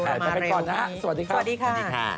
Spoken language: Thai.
มาเร็วมาเร็วนี้สวัสดีค่ะสวัสดีค่ะสวัสดีค่ะ